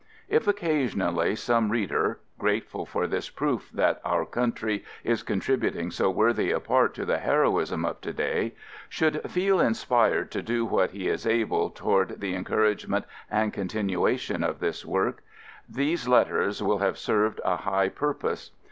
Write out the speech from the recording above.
If occasionally, some reader — grateful for this proof that our country is contributing so worthy a part to the heroism of to day — should feel inspired to do what he is able toward the encour agement and continuation of this work, these letters will have served a high pur pose.